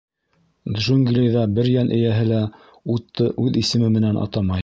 Джунглиҙа бер йән эйәһе лә «ут»ты үҙ исеме менән атамай.